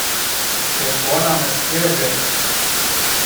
Der Vorname ist sehr selten.